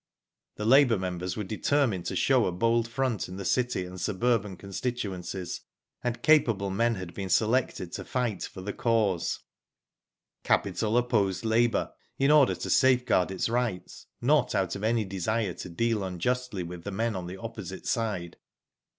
The labour members were determined to show a bold front in the city and suburban constituencies, and capable men had been selected to fight for the cause. Capital opposed labour, in order to safeguard its Digitized byGoogk lo WHO DID ITf rights, not out of any desire to deal' unjustly with the men on the opposite side.